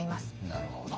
なるほど。